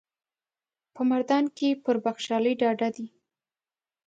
په مردان کې پر بخشالي ډاډه ده.